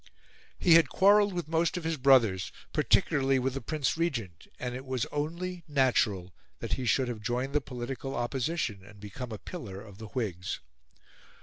He had quarrelled with most of his brothers, particularly with the Prince Regent, and it was only natural that he should have joined the political Opposition and become a pillar of the Whigs.